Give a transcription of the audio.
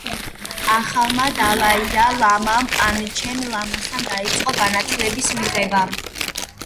ახალმა დალაი ლამამ პანჩენ ლამასთან დაიწყო განათლების მიღება.